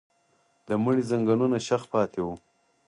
د مړي ځنګنونه شخ پاتې وو.